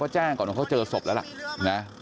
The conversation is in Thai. ก็แจ้งก่อนเขาเจอศพแล้วล่ะเนี่ย